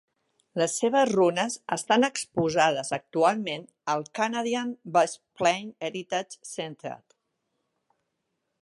Les seves runes estan exposades actualment al Canadian Bushplane Heritage Centre.